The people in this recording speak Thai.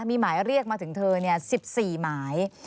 มีหมายเรียกมาถึงเธอ๑๔หมาย